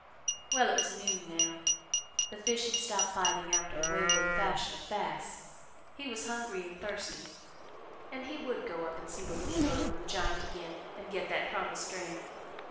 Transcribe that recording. Well, it was noon now, the fish had stopped biting after the wayward fashion of bass, he was hungry and thirsty and he would go up and see the little girl and the giant again and get that promised dram.